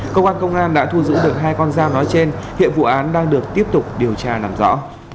công an công an đã thu giữ được hai con dao nói trên hiệp vụ án đang được tiếp tục điều tra làm rõ